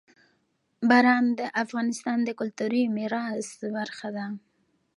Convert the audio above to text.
باران د افغانستان د کلتوري میراث برخه ده.